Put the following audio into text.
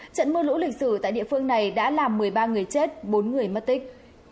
trận mưa lũ lịch sử tại địa phương này đã làm một mươi ba người chết bốn người mất tích